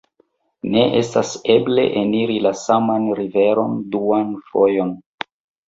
ne estas eble eniri la saman riveron duan fojon.